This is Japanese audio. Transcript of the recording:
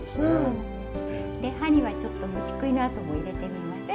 で葉にはちょっと虫食いの跡も入れてみました。